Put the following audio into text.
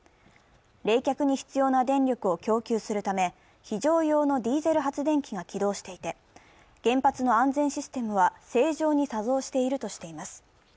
冷却に必要な電力を供給するため、非常用のディーゼル発電機が起動していて、原発の安全システムは正常に作動しているとしています。